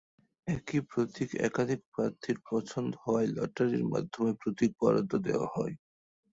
একই প্রতীক একাধিক প্রার্থীর পছন্দ হওয়ায় লটারির মাধ্যমে প্রতীক বরাদ্দ দেওয়া হয়।